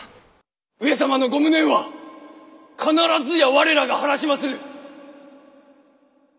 上様のご無念は必ずや我らが晴らしまする！